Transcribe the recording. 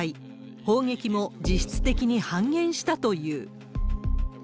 砲撃も実質的に半減したという。